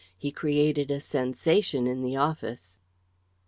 He created a sensation in the office.